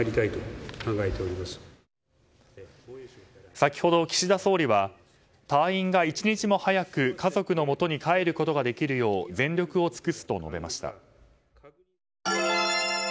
先ほど、岸田総理は隊員が一日も早く家族のもとに帰ることができるよう全力を尽くすと述べました。